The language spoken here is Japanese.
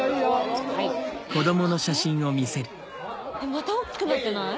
また大きくなってない？